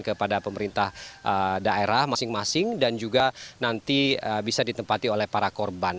kepada pemerintah daerah masing masing dan juga nanti bisa ditempati oleh para korban